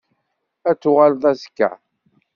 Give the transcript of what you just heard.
Ad d-uɣaleɣ azekka.